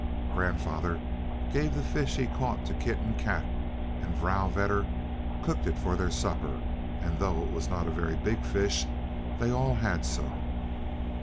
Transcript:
Grandfather gave the fish he caught to Kit and Kat, and Vrouw Vedder cooked it for their supper; and though it was not a very big fish, they all had some.